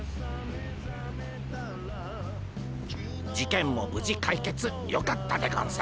事件も無事解決よかったでゴンス。